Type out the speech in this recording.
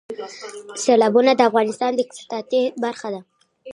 سیلابونه د افغانستان د اقتصاد برخه ده.